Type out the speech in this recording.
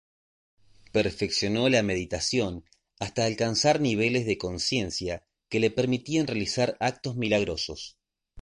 Perfeccionó la meditación hasta alcanzar niveles de conciencia que le permitían realizar actos milagrosos.